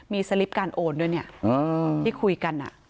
มีการโอนด้วยเนี่ยที่คุยกันอ่ะ